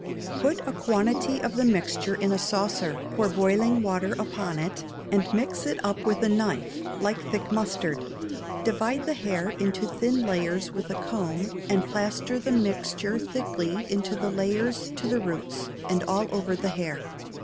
Put a quantity of the mixture in a saucer, pour boiling water upon it, and mix it up with a knife like thick mustard; divide the hair into thin layers with a comb, and plaster the mixture thickly into the layers to the roots, and all over the hair.